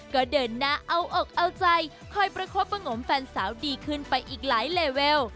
ก็เดินหน้าเอาอกเอาใจคอยประคบประงมแฟนสาวดีขึ้นไปอีกหลายเลเวล